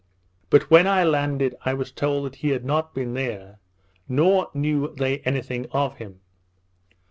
But when I landed, I was told that he had not been there, nor knew they any thing of him.